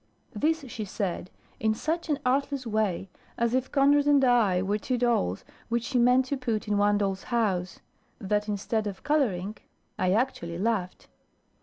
This she said in such an artless way as if Conrad and I were two dolls which she meant to put in one doll's house that instead of colouring, I actually laughed.